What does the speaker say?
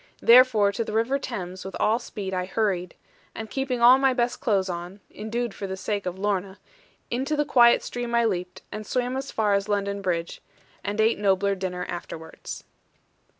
Therefore to the river Thames, with all speed, I hurried; and keeping all my best clothes on (indued for sake of Lorna), into the quiet stream I leaped, and swam as far as London Bridge, and ate nobler dinner afterwards.